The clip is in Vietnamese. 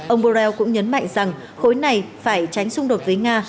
ông borrell cũng nhấn mạnh rằng khối này phải tránh xung đột với nga